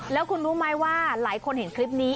แล้วคุณรู้ไหมว่าหลายคนเห็นคลิปนี้